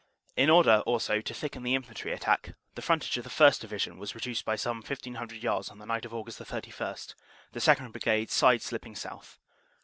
In order, also, to thicken the infantry attack, the frontage of the 1st. Division was reduced by some 1,500 yards on the night of Aug. 31, the 2nd. Brigade side slipping south.